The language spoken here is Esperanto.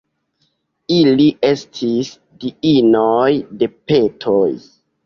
Ili estis diinoj de petoj.